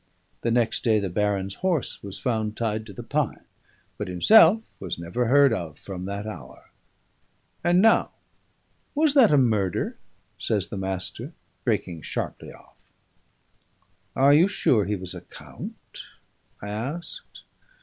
The next day the baron's horse was found tied to the pine, but himself was never heard of from that hour. And now, was that a murder?" says the Master, breaking sharply off. "Are you sure he was a count?" I asked.